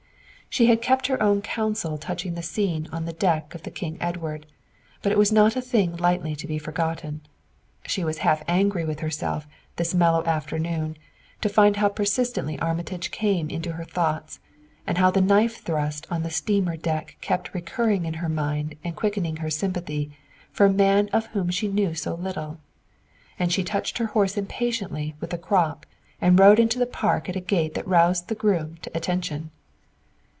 She had kept her own counsel touching the scene on the dark deck of the King Edward, but it was not a thing lightly to be forgotten. She was half angry with herself this mellow afternoon to find how persistently Armitage came into her thoughts, and how the knife thrust on the steamer deck kept recurring in her mind and quickening her sympathy for a man of whom she knew so little; and she touched her horse impatiently with the crop and rode into the park at a gait that roused the groom to attention.